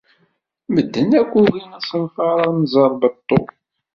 Medden akk ugin asenfar amẓerbeḍḍu.